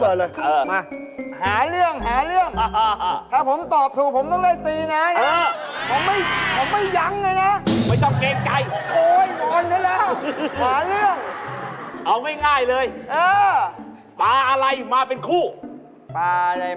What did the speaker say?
โอ๊ยขาดพูดถึงปลาอืมเล่นท้ายปันหาย